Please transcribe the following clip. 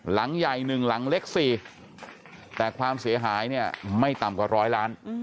หลังใหญ่๑หลังเล็ก๔แต่ความเสียหายเนี่ยไม่ต่ำกว่าร้อยล้าน